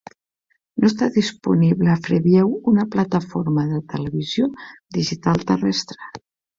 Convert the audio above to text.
No està disponible a Freeview, una plataforma de televisió digital terrestre.